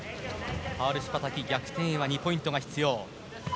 ハールシュパタキ逆転には２ポイントが必要。